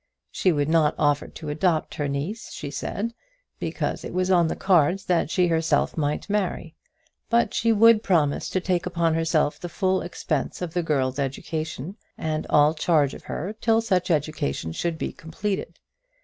She would not offer to adopt her niece, she said, because it was on the cards that she herself might marry; but she would promise to take upon herself the full expense of the girl's education, and all charge of her till such education should be completed.